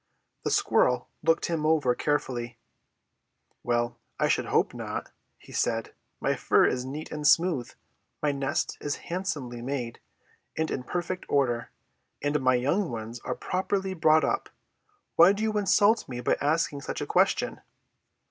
The squirrel looked him over carefully. "Well, I should hope not!" he said. "My fur is neat and smooth, my nest is handsomely made, and in perfect order, and my young ones are properly brought up. Why do you insult me by asking such a question?"